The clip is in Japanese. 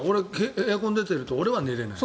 エアコンかかってると俺は寝れない。